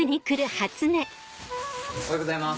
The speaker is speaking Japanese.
おはようございます。